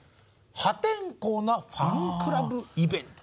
「破天荒なファンクラブイベント」。